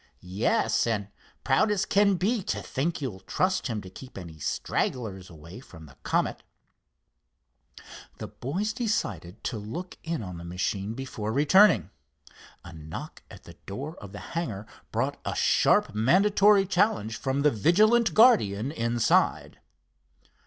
"Yes, and proud as can be to think you'll trust him to keep any stragglers away from the Comet." The boys decided to look in on the machine before returning. A knock at the door of the hangar brought a sharp mandatory challenge from the vigilant guardian inside.